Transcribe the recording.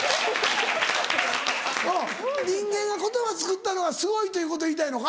人間が言葉つくったのがすごいということを言いたいのか？